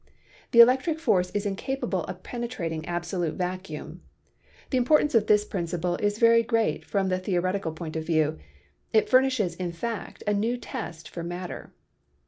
The electric force is incapable of penetrating absolute vacuum. The importance of this principle is very great from the theo retical point of view; it furnishes, in fact, a new test for matter.